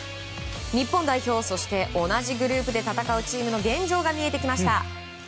日本代表、そして同じグループで戦うチームの現状が見えてきました。